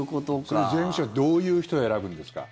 それ、税務署はどういう人を選ぶんですか？